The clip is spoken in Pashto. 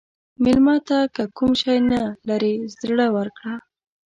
مېلمه ته که کوم شی نه لرې، زړه ورکړه.